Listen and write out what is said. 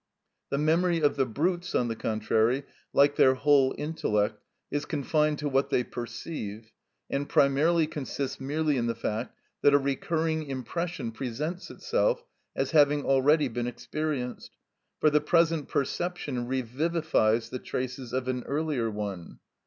The memory of the brutes, on the contrary, like their whole intellect, is confined to what they perceive, and primarily consists merely in the fact that a recurring impression presents itself as having already been experienced, for the present perception revivifies the traces of an earlier one.